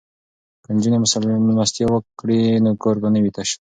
که نجونې میلمستیا وکړي نو کور به نه وي تش.